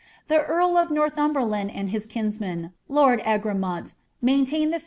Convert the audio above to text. The earl (^ A oithumbetland and his kinsman, lonl Egreniont, maintained (lie fn)